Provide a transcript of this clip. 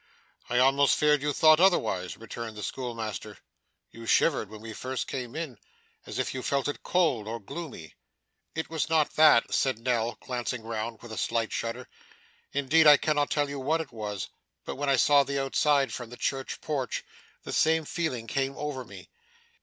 'I almost feared you thought otherwise,' returned the schoolmaster. 'You shivered when we first came in, as if you felt it cold or gloomy.' 'It was not that,' said Nell, glancing round with a slight shudder. 'Indeed I cannot tell you what it was, but when I saw the outside, from the church porch, the same feeling came over me.